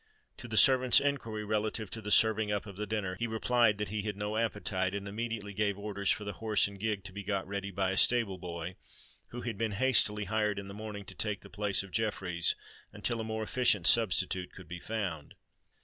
To the servant's enquiry relative to the serving up of the dinner, he replied that he had no appetite, and immediately gave orders for the horse and gig to be got ready by a stable boy, who had been hastily hired in the morning to take the place of Jeffreys until a more efficient substitute could be found.